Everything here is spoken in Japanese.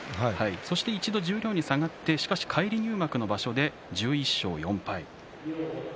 それで一度、十両に下がって返り入幕の場所で１１勝４敗。